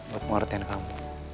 buat memuaratkan kamu